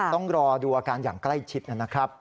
ต้องรอดูอาการอย่างใกล้ชิดนะครับ